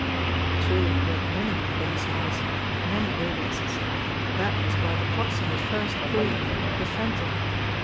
True, he had many domi ciles, many aliases. That was why the Tocsin had first called him the Phantom.